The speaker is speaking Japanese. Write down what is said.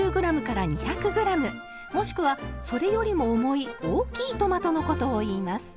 もしくはそれよりも重い大きいトマトのことをいいます。